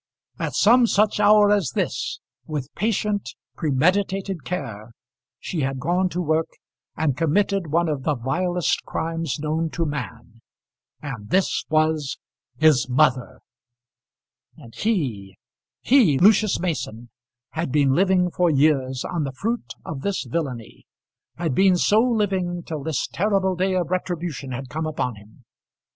At some such hour as this, with patient premeditated care, she had gone to work and committed one of the vilest crimes known to man. And this was his mother! And he, he, Lucius Mason, had been living for years on the fruit of this villainy; had been so living till this terrible day of retribution had come upon him!